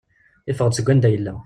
Yeffeɣ-d seg wanda yella.